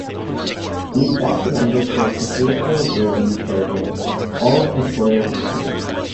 He is best remembered for his satirical revue programme "Hall's Pictorial Weekly".